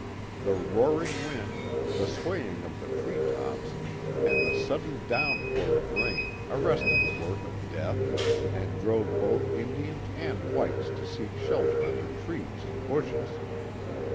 The roaring wind, the swaying of the tree tops, and the sudden downpour of rain arrested the work of death and drove both Indians and whites to seek shelter under trees and bushes.